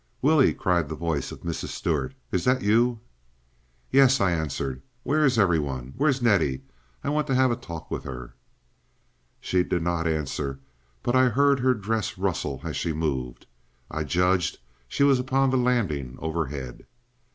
"Willie!" cried the voice of Mrs. Stuart. "Is that you?" "Yes," I answered. "Where's every one? Where's Nettie? I want to have a talk with her." She did not answer, but I heard her dress rustle as she moved. I Judged she was upon the landing overhead.